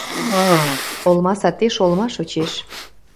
Олма сатеш олма шочеш